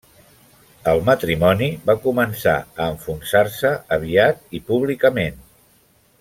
El matrimoni va començar a enfonsar-se aviat i públicament.